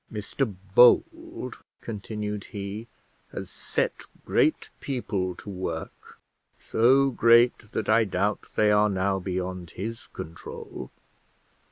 "Mr Bold," continued he, "has set great people to work, so great that I doubt they are now beyond his control.